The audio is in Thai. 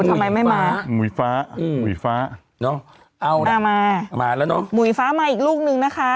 ทำไมไม่มาหมุยฟ้าอืมหุยฟ้าเนอะเอาหน้ามามาแล้วเนอะหุยฟ้ามาอีกลูกนึงนะคะ